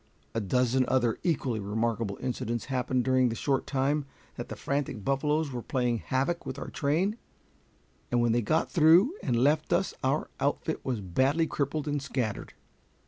A dozen other equally remarkable incidents happened during the short time that the frantic buffaloes were playing havoc with our train, and when they got through and left us our outfit was badly crippled and scattered.